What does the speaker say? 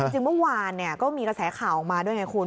จริงเมื่อวานก็มีกระแสข่าวออกมาด้วยไงคุณ